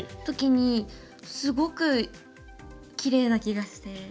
時にすごくきれいな気がして。